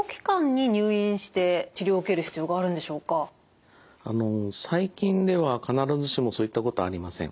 ただあの最近では必ずしもそういったことはありません。